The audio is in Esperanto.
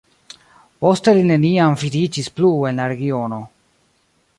Poste li neniam vidiĝis plu en la regiono.